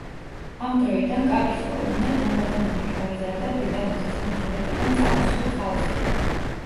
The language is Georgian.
ამ დროიდან კაპის კოლონია თანდათანობით გაიზარდა ბრიტანეთის კუნძულებიდან წამოსული ხალხით.